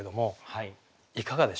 はい。